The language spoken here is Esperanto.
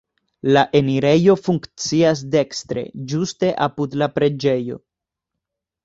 La enirejo funkcias dekstre, ĝuste apud la preĝejo.